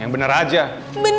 jangan aja sih